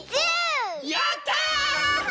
やった！